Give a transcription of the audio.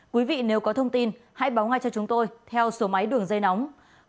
quý vị nếu có thông tin hãy báo ngay cho chúng tôi theo số máy đường dây nóng